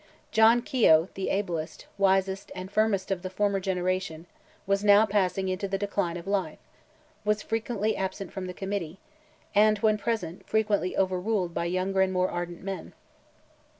John Keogh, the ablest, wisest and firmest of the former generation, was now passing into the decline of life, was frequently absent from the Committee, and when present, frequently overruled by younger and more ardent men.